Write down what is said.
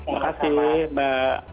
terima kasih mbak